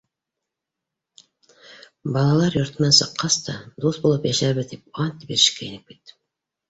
Балалар йортонан сыҡҡас та, дуҫ булып йәшәрбеҙ тип ант бирешкәйнек бит.